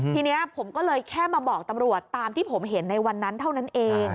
ทีนี้ผมก็เลยแค่มาบอกตำรวจตามที่ผมเห็นในวันนั้นเท่านั้นเอง